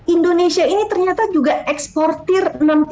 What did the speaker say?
indonesia ini ternyata juga eksportir enam ribu tiga ratus sembilan